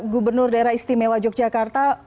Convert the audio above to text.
gubernur daerah istimewa yogyakarta